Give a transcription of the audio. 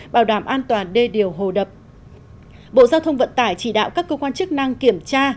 bảo đảm an toàn đê điều hồ đập bộ giao thông vận tải chỉ đạo các cơ quan chức năng kiểm tra